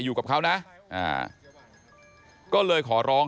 อยู่กับเขานะอ่าก็เลยขอร้อง